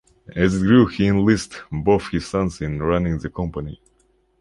As it grew, he enlisted both his sons in running the company.